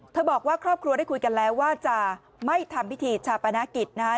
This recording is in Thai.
บอกว่าครอบครัวได้คุยกันแล้วว่าจะไม่ทำพิธีชาปนกิจนะคะ